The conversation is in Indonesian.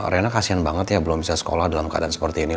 rena kasian banget ya belum bisa sekolah dalam keadaan seperti ini